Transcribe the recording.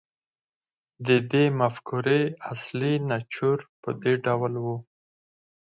د دې مفکورې اصلي نچوړ په دې ډول و